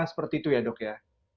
seperti itu ya dok ya